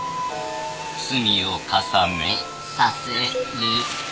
罪を重ねさせる。